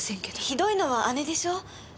ひどいのは姉でしょう。